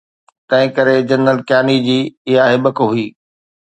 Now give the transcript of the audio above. تنهن ڪري جنرل ڪياني جي اها هٻڪ هئي.